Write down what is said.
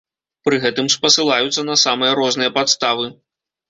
Пры гэтым спасылаюцца на самыя розныя падставы.